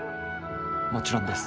もちろんです。